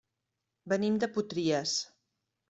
Venim de Potries.